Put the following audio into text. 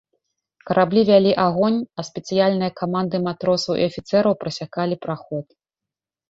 Караблі вялі агонь, а спецыяльныя каманды матросаў і афіцэраў прасякалі праход.